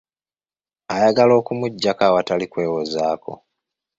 Ayagala okumugyako awatali kwewozaako.